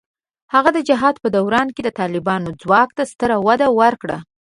هغه د جهاد په دوران کې د طالبانو ځواک ته ستره وده ورکړه.